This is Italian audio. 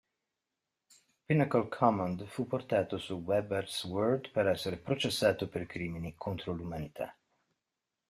Pinnacle Command fu portato su Weber's World per essere processato per crimini contro l'umanità.